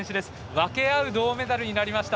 分け合う銅メダルとなりました。